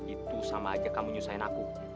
itu sama aja kamu nyusahin aku